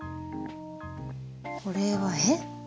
これはえっ？